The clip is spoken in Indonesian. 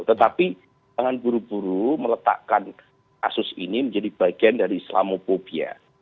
tetapi jangan buru buru meletakkan kasus ini menjadi bagian dari islamophobia